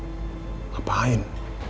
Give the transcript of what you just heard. apa yang harus dilakukan